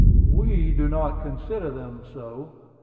"We do not consider them so.